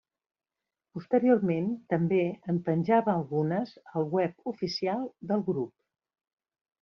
Posteriorment també en penjava algunes al web oficial del grup.